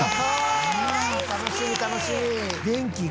楽しみ楽しみ！